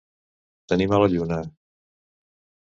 Tenir mala lluna.